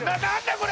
これ！